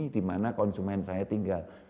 di mana konsumen saya tinggal